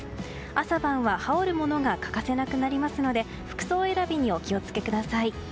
朝晩は羽織るものが欠かせなくなりますので服装選びにお気を付けください。